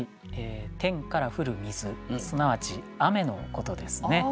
天から降る水すなわち雨のことですね。